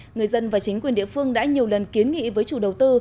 người dân và chính quyền địa phương đã nhiều lần kiến nghị với chủ đầu tư